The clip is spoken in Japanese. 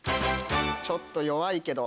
ちょっと弱いけど。